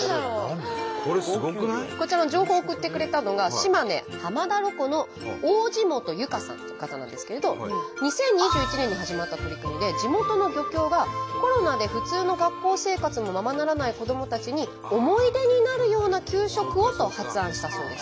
こちらの情報を送ってくれたのが２０２１年に始まった取り組みで地元の漁協が「コロナで普通の学校生活もままならない子どもたちに思い出になるような給食を」と発案したそうです。